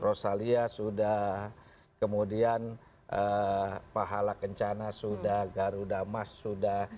rosalia sudah kemudian pahala kencana sudah garuda emas sudah